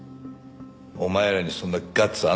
お前らにそんなガッツあるのか？